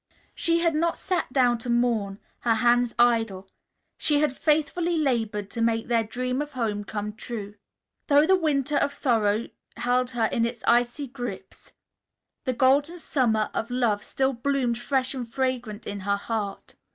She had not sat down to mourn, her hands idle. She had faithfully labored to make their dream of home come true. Though the winter of sorrow held her in its icy grip, the Golden Summer of love still bloomed fresh and fragrant in her heart.